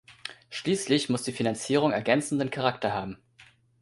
Schließlich muss die Finanzierung ergänzenden Charakter haben.